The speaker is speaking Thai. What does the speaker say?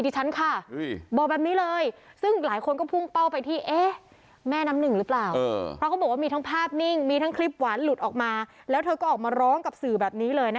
จริงไหมที่ไปกับผัวเขา